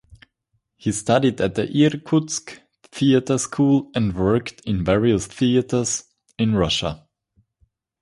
He studied at the "Irkutsk Theater School" and worked in various theaters in Russia.